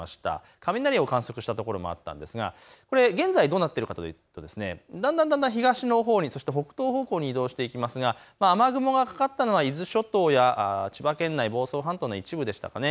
雷を観測したところもあったんですが現在どうなっているかといいますとだんだん東のほうにそして北東方向に移動しているんですが雨雲がかかったのが伊豆諸島や千葉県の房総半島の一部でした。